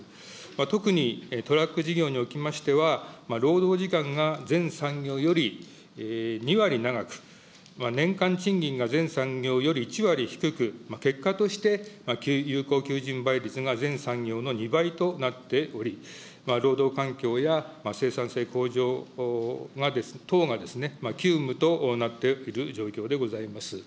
特にトラック事業におきましては、労働時間が全産業より２割長く、年間賃金が全産業より１割低く、結果として、有効求人倍率が全産業の２倍となっており、労働環境や生産性向上等が、急務となっている状況でございます。